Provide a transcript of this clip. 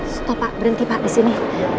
stop pak berhenti pak disini